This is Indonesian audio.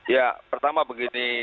ya pertama begini